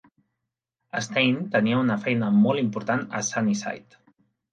Stein tenia una feina molt important a Sunnyside.